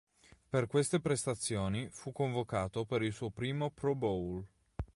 Per queste prestazioni fu convocato per il suo primo Pro Bowl.